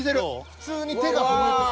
普通に手が震えてる。